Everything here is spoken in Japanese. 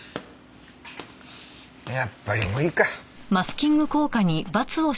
やっぱり無理か。